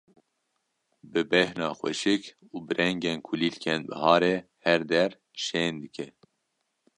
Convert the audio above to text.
bi bêhna xweşik û bi rengên kulîlkên biharê her der şên dike.